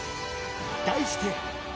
題して。